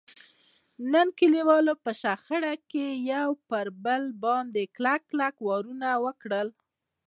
نن کلیوالو په شخړه کې یو پر بل باندې کلک کلک وارونه وکړل.